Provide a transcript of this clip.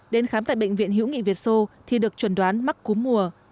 đến khám tại bệnh viện hiễu nghị việt sô thì được chuẩn đoán mắc cú mùa